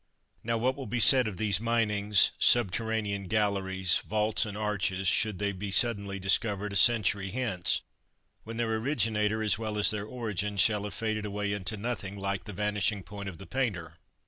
Now what will be said of these minings, subterranean galleries, vaults and arches, should they suddenly be discovered a century hence, when their originator as well as their origin shall have faded away into nothing like the vanishing point of the painter?